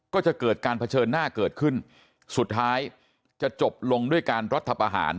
ก็จะเกิดการเผชิญหน้าเกิดขึ้นสุดท้ายจะจบลงด้วยการรัฐประหาร